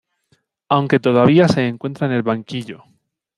Aunque todavía se encuentra en el banquillo.